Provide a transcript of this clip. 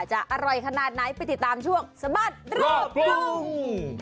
จะอร่อยขนาดไหนไปติดตามช่วงสะบัดรอบกรุง